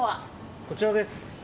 こちらです。